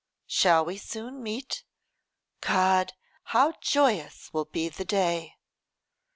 'Shall we soon meet? God! how joyous will be the day.